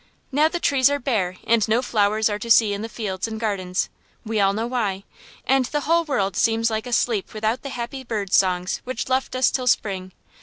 Now the trees are bare, and no flowers are to see in the fields and gardens, (we all know why) and the whole world seems like asleep without the happy birds songs which left us till spring.